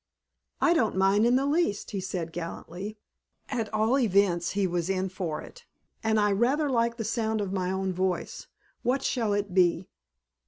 "I don't mind in the least," he said gallantly. (At all events he was in for it.) "And I rather like the sound of my own voice. What shall it be?"